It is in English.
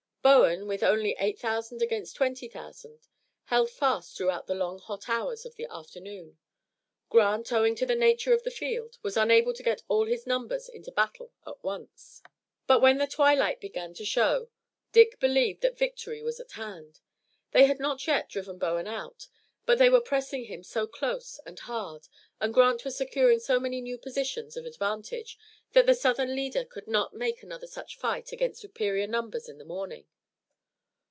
Bowen, with only eight thousand against twenty thousand, held fast throughout all the long hot hours of the afternoon. Grant, owing to the nature of the field, was unable to get all his numbers into battle at once. But when the twilight began to show Dick believed that victory was at hand. They had not yet driven Bowen out, but they were pressing him so close and hard, and Grant was securing so many new positions of advantage, that the Southern leader could not make another such fight against superior numbers in the morning.